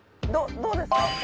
どうですか？